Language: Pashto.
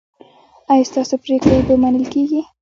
ایا ستاسو پریکړې به منل کیږي؟